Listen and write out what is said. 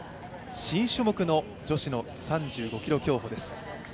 新種目の女子の３５ｋｍ競歩です。